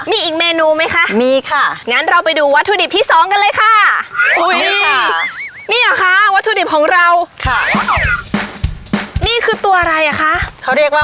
มีอีกเมนูไหมคะมีค่ะงั้นเราไปดูวัตถุดิบที่สองกันเลยค่ะ